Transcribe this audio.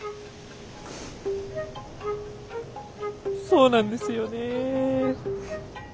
そうなんですよね。